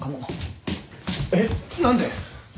えっ？何で？